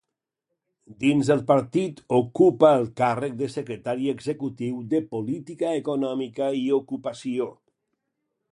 Dins el seu partit ocupa el càrrec de secretari executiu de Política Econòmica i Ocupació.